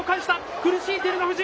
苦しい、照ノ富士。